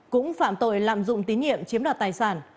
cũng phạm tội lạm dụng tín nhiệm chiếm đoạt tài sản